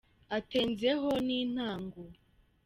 Atenze ho n’intango.